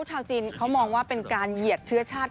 ชาวจีนเขามองว่าเป็นการเหยียดเชื้อชาติ